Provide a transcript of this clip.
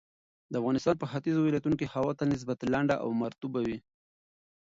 د افغانستان په ختیځو ولایتونو کې هوا تل نسبتاً لنده او مرطوبه وي.